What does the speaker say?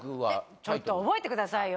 ちょっと、覚えてくださいよ。